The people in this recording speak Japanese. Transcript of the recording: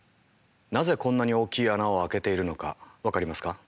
なぜこんなに大きい穴を開けているのか分かりますか？